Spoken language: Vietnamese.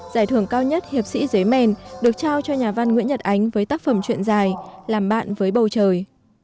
giải thưởng cao nhất hiệp sĩ giấy mèn được trao cho nhà văn nguyễn nhật ánh với tác phẩm chuyện dài làm bạn với bầu trời